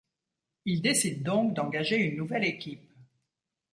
Il décide donc d'engager une nouvelle équipe.